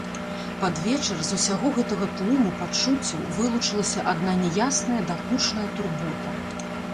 Пад вечар з усяго гэтага тлуму пачуццяў вылучылася адна няясная, дакучная турбота.